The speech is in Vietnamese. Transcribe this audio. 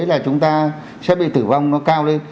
là chúng ta sẽ bị tử vong nó cao lên